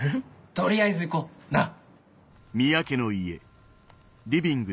取りあえず行こうなっ。